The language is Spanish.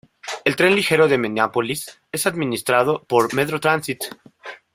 El Tren Ligero de Minneapolis es administrado por Metro Transit.